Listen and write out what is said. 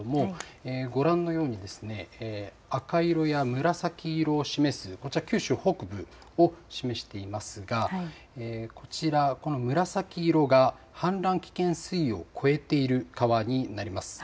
ご覧のように赤色や紫色を示すこちらは九州北部を示していますがこちら、この紫色が氾濫危険水位を超えている川になります。